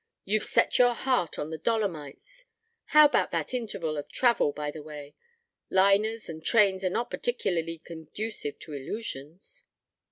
You've set your heart on the Dolomites. ... How about that interval of travel, by the way? Liners and trains are not particularly conducive to illusions."